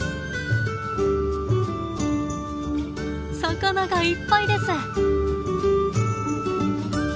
魚がいっぱいです。